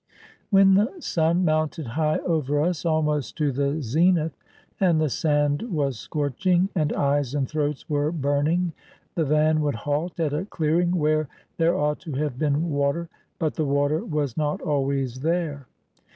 When the sun mounted high over us, almost to the zenith, and the sand was scorching, and eyes and throats were burning, the van would halt at a clearing where there ought to have been water, but the water was not always there.